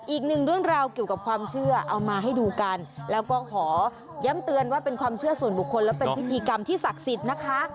อีกหนึ่งเรื่องราวเกี่ยวกับความเชื่อเอามาให้ดูกันแล้วก็ขอย้ำเตือนว่าเป็นความเชื่อส่วนบุคคลและเป็นพิธีกรรมที่ศักดิ์สิทธิ์นะคะ